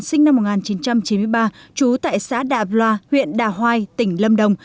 sinh năm một nghìn chín trăm chín mươi ba trú tại xã đà bloa huyện đà hoai tỉnh lâm đồng